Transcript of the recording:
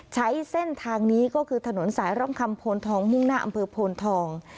ใช้เส้นทางนี้ก็คือถนนสายร่องคำโพนทองมุ่งหน้าอำเภอโพนทอง